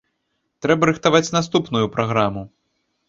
Трэба рыхтаваць наступную праграму.